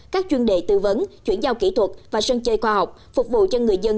các chuyên đề tư vấn chuyển giao kỹ thuật và sân chơi khoa học phục vụ cho người dân